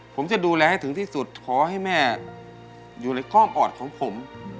ผมจะดูแลให้ถึงที่สุดขอให้แม่อยู่ในก้อมออดของผม